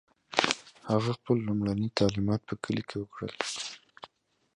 He received his early education in his village.